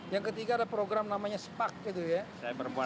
yang ketiga ada program namanya spak gitu ya